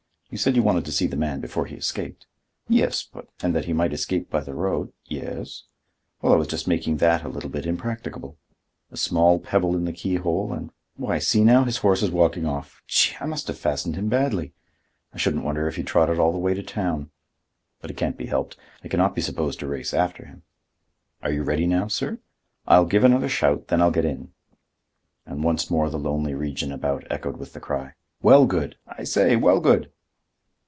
You said you wanted to see the man before he escaped." "Yes, but—" "And that he might escape by the road." "Yes—" "Well, I was just making that a little bit impracticable. A small pebble in the keyhole and—why, see now, his horse is walking off! Gee! I must have fastened him badly. I shouldn't wonder if he trotted all the way to town. But it can't be helped. I can not be supposed to race after him. Are you ready now, sir? I'll give another shout, then I'll get in." And once more the lonely region about echoed with the cry: "Wellgood! I say, Wellgood!"